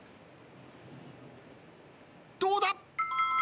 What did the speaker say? どうだ？